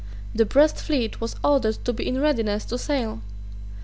The Brest fleet was ordered to be in readiness to sail.